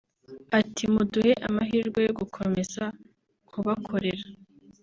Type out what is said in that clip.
Ati “Muduhe amahirwe yo gukomeza kubakorera